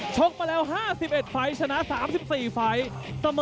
ชกมาแล้ว๕๑ไฟล์ชนะ๓๔ไฟล์